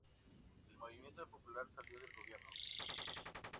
El Movimiento Popular salió del gobierno.